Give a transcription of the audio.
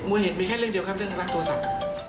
เหตุมีแค่เรื่องเดียวครับเรื่องรักโทรศัพท์